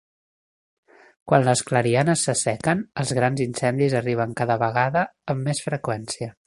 Quan les clarianes s'assequen, els grans incendis arriben cada vegada amb més freqüència.